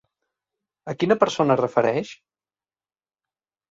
A quina persona es refereix?